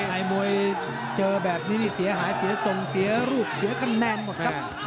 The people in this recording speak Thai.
ในมวยเจอแบบนี้นี่เสียหายเสียทรงเสียรูปเสียคะแนนหมดครับ